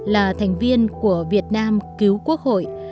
là thành viên của việt nam cứu quốc hội